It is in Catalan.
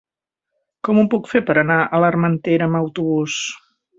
Com ho puc fer per anar a l'Armentera amb autobús?